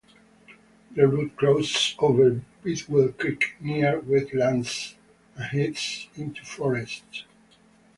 The route crosses over Bidwell Creek near wetlands and heads into forests.